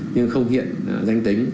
nhưng không hiện danh tính